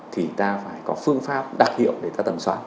thì ta phải có phương pháp đặc hiệu để ta tầm soát